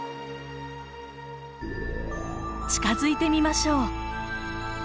近づいてみましょう。